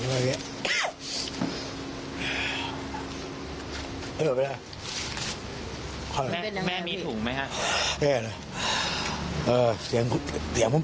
ไม่เอาไหวเลยว่ะ